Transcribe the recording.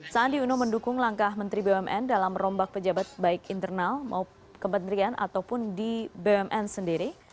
sandi uno mendukung langkah menteri bumn dalam merombak pejabat baik internal maupun kementerian ataupun di bumn sendiri